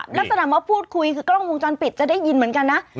ลักษณะมาพูดคุยคือกล้องวงจรปิดจะได้ยินเหมือนกันนะ